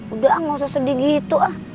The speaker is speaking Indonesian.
udah gak usah sedih gitu ah